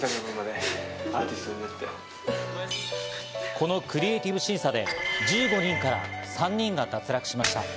このクリエイティブ審査で１５人から３人が脱落しました。